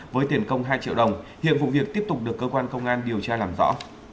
với tiền công hai triệu đồng hiện vụ việc tiếp tục được cơ quan công an điều tra làm rõ